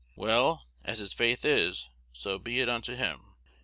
Well, as his faith is, so be it unto him.